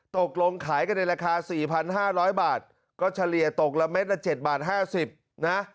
ตกลงขายกันในราคา๔๕๐๐บาทก็เฉลี่ยตกละเม็ดละ๗บาท๕๐นะ